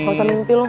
nggak usah mimpi lo